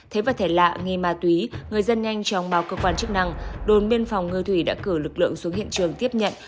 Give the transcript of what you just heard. thấy vật thể lạ nghi ma túy người dân nhanh chóng báo cơ quan chức năng đồn biên phòng ngư thủy đã cử lực lượng xuống hiện trường tiếp nhận